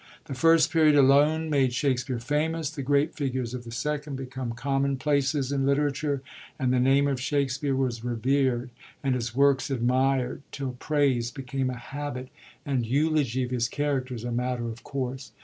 The First Period alone made Shakspere famous; the great figures of the Second became commonplaces in literature, and the name of Shakspere was revered, and his works admired, till praise became a habit, and "4 SOURCES OF SECOND PERIOD PLAYS eulogy of his characters a matter of course.